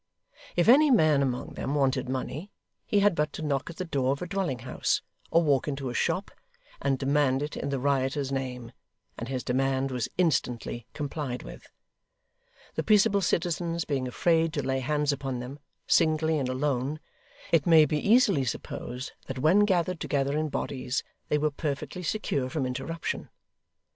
If any man among them wanted money, he had but to knock at the door of a dwelling house, or walk into a shop, and demand it in the rioters name; and his demand was instantly complied with. The peaceable citizens being afraid to lay hands upon them, singly and alone, it may be easily supposed that when gathered together in bodies, they were perfectly secure from interruption.